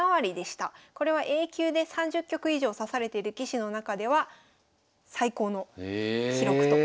これはＡ級で３０局以上指されてる棋士の中では最高の記録と。